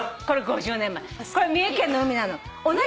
これ三重県の海なの。